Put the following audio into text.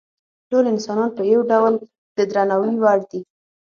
ټول انسانان په یو ډول د درناوي وړ دي.